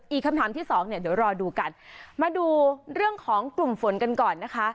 อีกคำถามที่สองเนี่ยเดี๋ยวรอดูกันมาดูเรื่องของกลุ่มฝนกันก่อนนะคะ